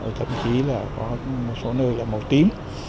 màu đỏ thậm chí là có một số nơi là màu tím